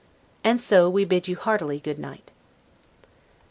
And so we bid you heartily good night.